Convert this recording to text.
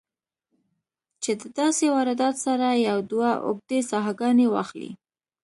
چې د داسې واردات سره يو دوه اوږدې ساهګانې واخلې